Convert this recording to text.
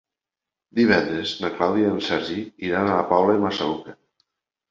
Divendres na Clàudia i en Sergi iran a la Pobla de Massaluca.